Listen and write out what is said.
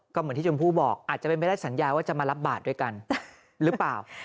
ก็เหมือนที่ชมพู่บอกอาจจะเป็นไปได้สัญญาว่าจะมารับบาทด้วยกันหรือเปล่า